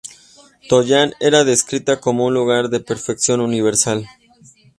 Tollan era descrita como un lugar de perfección universal.